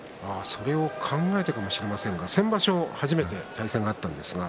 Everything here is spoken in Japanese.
それを考えてくるかもしれませんが先場所、初めて対戦がありました。